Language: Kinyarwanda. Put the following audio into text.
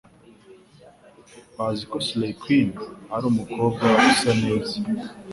Bazi ko Slay Queen ari umukobwa usa neza